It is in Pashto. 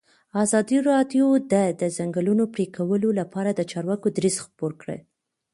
ازادي راډیو د د ځنګلونو پرېکول لپاره د چارواکو دریځ خپور کړی.